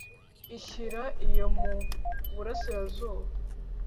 ishyira iyo mu burasirazuba